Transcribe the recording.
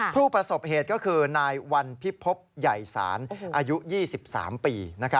ผู้ประสบเหตุก็คือนายวันพิภพใหญ่ศาลอายุ๒๓ปี